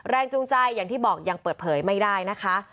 จูงใจอย่างที่บอกยังเปิดเผยไม่ได้นะคะ